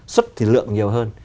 xuất thì lượng nhiều hơn